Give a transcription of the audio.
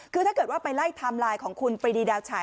คือถ้าเกิดว่าไปไล่ไทม์ไลน์ของคุณปรีดีดาวฉาย